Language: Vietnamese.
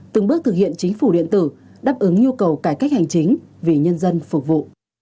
từng bước thực hiện chính phủ điện tử đáp ứng nhu cầu cải cách hành chính vì nhân dân phục vụ